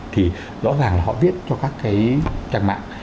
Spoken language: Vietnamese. thì rõ ràng họ viết cho các cái trang mạng